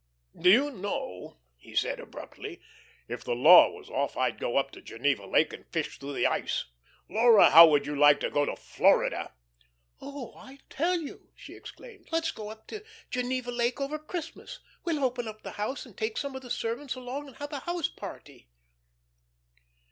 Do you know," he said, abruptly, "if the law was off I'd go up to Geneva Lake and fish through the ice. Laura, how would you like to go to Florida?" "Oh, I tell you," she exclaimed. "Let's go up to Geneva Lake over Christmas. We'll open up the house and take some of the servants along and have a house party."